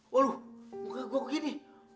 waduh muka gua gini